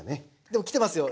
でも来てますよ。